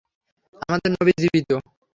আমাদের নবী জীবিত।